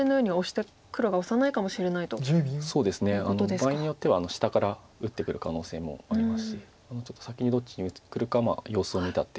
場合によっては下から打ってくる可能性もありますしちょっと先にどっちに打ってくるか様子を見たっていう。